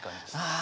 あ。